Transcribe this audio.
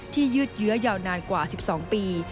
ที่ยืดเยอะยาวนานกว่า๑๒ปี